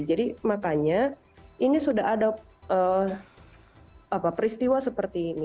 jadi makanya ini sudah ada peristiwa seperti ini